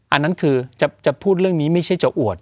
อันนั้นคือจะพูดเรื่องนี้ไม่ใช่จะอวด